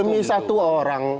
demi satu orang